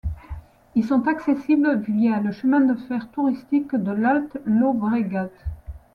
Ils sont accessibles via le chemin de fer touristique de l'Alt Llobregat.